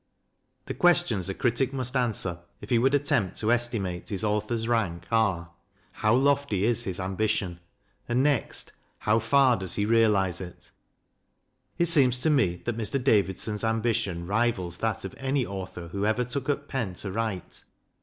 The questions a critic must answer, if he would attempt to estimate his Author's rank, are How lofty is his ambition? and, next, How far does he realize it? It seems to me that Mr. Davidson's ambition rivals that of any Author who ever took up pen to write.